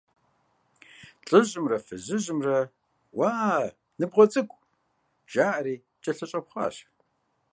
ЛӀыжьымрэ фызыжьымрэ, «уа, ныбгъуэ цӀыкӀу!» жаӀэри, кӀэлъыщӀэпхъуащ.